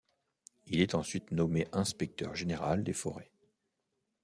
Il est ensuite nommé inspecteur général des forêts.